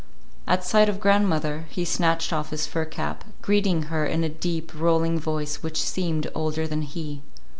At sight of grandmother, he snatched off his fur cap, greeting her in a deep, rolling voice which seemed older than he.